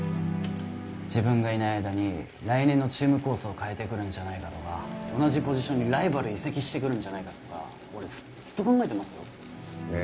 自分がいない間に来年のチーム構想を変えてくるんじゃないかとか同じポジションにライバル移籍してくるんじゃないかとか俺ずっと考えてますよね